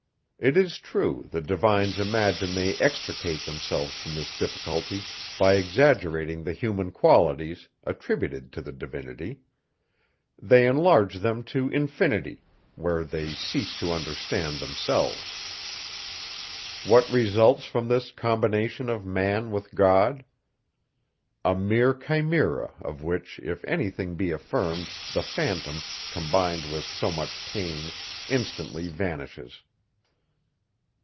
It is true, the divines imagine they extricate themselves from this difficulty, by exaggerating the human qualities, attributed to the Divinity; they enlarge them to infinity, where they cease to understand themselves. What results from this combination of man with God? A mere chimera, of which, if any thing be affirmed, the phantom, combined with so much pains, instantly vanishes.